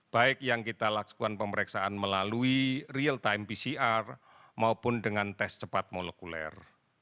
baik yang kita lakukan pemeriksaan melalui real time pcr maupun dengan tes cepat molekuler